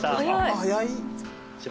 早い。